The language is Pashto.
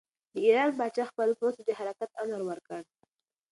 د ایران پاچا خپل پوځ ته د حرکت امر ورکړ.